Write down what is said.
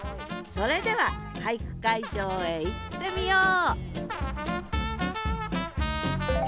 それでは俳句会場へ行ってみよう！